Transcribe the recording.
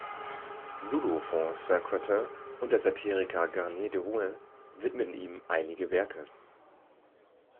Dudo von Saint-Quentin und der Satiriker Garnier de Rouen widmeten ihm einige Werke.